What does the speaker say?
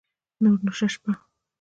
نور نو شه شپه